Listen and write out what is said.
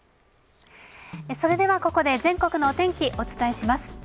それではここで全国のお天気、お伝えします。